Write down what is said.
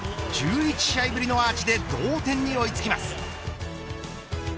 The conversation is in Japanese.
１１試合ぶりのアーチで同点に追いつきます。